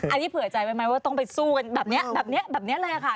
อันนี้เผื่อใจไว้ไหมว่าต้องไปสู้กันแบบนี้แบบนี้เลยค่ะ